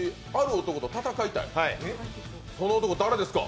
その男、誰ですか？